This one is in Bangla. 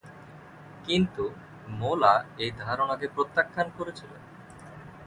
কিন্তু, মোলা এই ধারণাকে প্রত্যাখ্যান করেছিলেন।